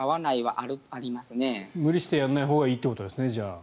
無理してやらないほうがいいってことですね。